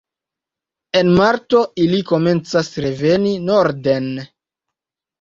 En marto ili komencas reveni norden.